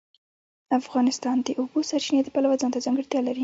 افغانستان د د اوبو سرچینې د پلوه ځانته ځانګړتیا لري.